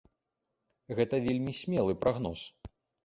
Гэта вельмі смелы прагноз.